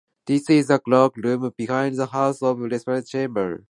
This is the cloak room behind the House of Representatives chamber.